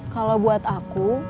kalau buat aku